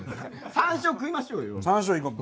山椒食いましょうよ。